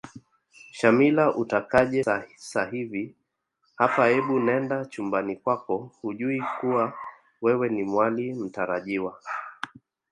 Shamila utakaje sahivi hapa ebu nenda chumbani kwako hujui kuwa wewe Ni mwali mtarajiwa